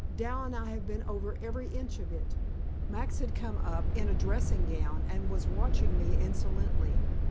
Dal and I have been over every inch of it." Max had come up, in a dressing gown, and was watching me insolently.